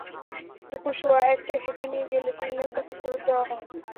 দুপুর সোয়া একটায় সেখানে গেলে তিন লাখ টাকা ফেরত দেওয়া হয়।